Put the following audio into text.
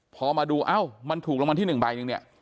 พอมาดูเอ้ามันถูกละมันที่หนึ่งใบหนึ่งเนี่ย